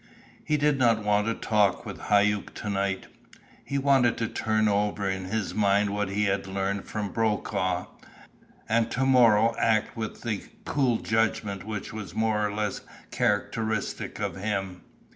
He did not want to talk with Hauck to night. He wanted to turn over in his mind what he had learned from Brokaw, and to morrow act with the cool judgment which was more or less characteristic of him.